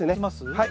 はい。